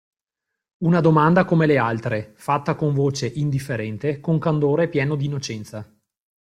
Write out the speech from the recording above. Una domanda come le altre, fatta con voce indifferente, con candore pieno d'innocenza.